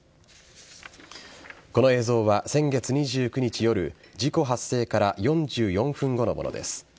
この映像は、先月２９日夜、事故発生から４４分後のものです。